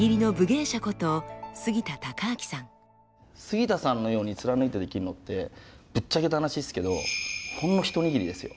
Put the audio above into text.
杉田さんのように貫いてできるのってぶっちゃけた話ですけどほんの一握りですよ。